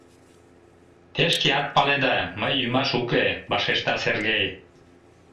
Те шкеат паледа, мый йӱмаш уке, — вашешта Сергей.